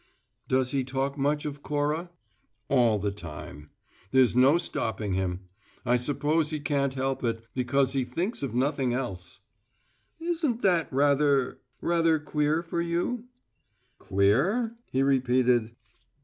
"Does he talk much of Cora?" "All the time. There's no stopping him. I suppose he can't help it, because he thinks of nothing else." "Isn't that rather rather queer for you?" "`Queer'?" he repeated.